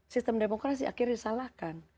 sistem demokrasi akhirnya disalahkan